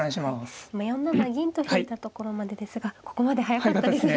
今４七銀と指したところまでですがここまで速かったですね。